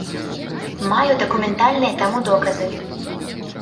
Маю дакументальныя таму доказы.